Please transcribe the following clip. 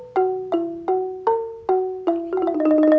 มันไม่ได้เป็น